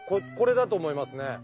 これだと思いますね。